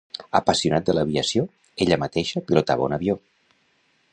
Apassionat de l'aviació, ella mateixa pilotava un avió.